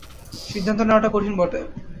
সিদ্ধান্ত নেয়াটা কঠিন বটে।